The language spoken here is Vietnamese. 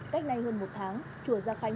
cách nay hơn một tháng chùa gia khánh